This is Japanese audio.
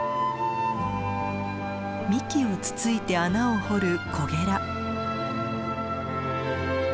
幹をつついて穴を掘るコゲラ。